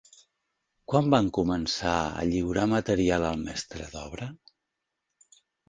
Quan van començar a lliurar material al mestre d'obra?